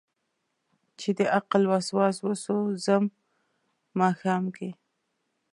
چې دعقل وسواس وسو ځم ماښام کې